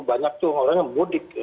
banyak tuh orang yang mudik